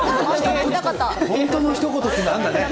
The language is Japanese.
本当のひと言ってあるんだね。